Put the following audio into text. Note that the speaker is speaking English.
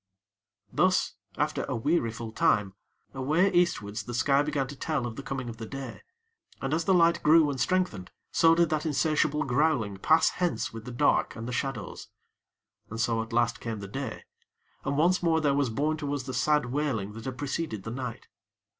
Thus, after a weariful time, away Eastwards the sky began to tell of the coming of the day; and, as the light grew and strengthened, so did that insatiable growling pass hence with the dark and the shadows. And so at last came the day, and once more there was borne to us the sad wailing that had preceded the night.